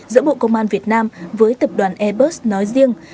giữa bộ công an việt nam với tập đoàn airbus nói riêng